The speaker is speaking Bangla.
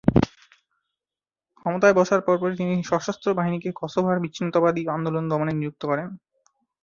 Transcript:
ক্ষমতায় বসার পরপরই তিনি সশস্ত্র বাহিনীকে কসোভোর বিচ্ছিন্নতাবাদী আন্দোলন দমনে নিযুক্ত করেন।